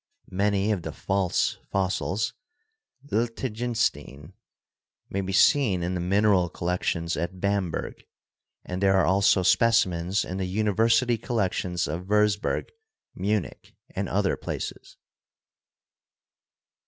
Many of the false fossils (Ltigensteine) may be seen in the mineral collections at Bamberg, and there are also specimens in the university collections of Wurzburg, Munich and other places.